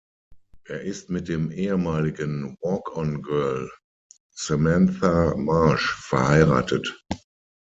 Er ist mit dem ehemaligen „Walk on Girl“ Samantha Marsh verheiratet.